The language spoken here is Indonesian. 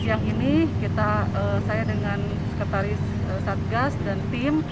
siang ini saya dengan sekretaris satgas dan tim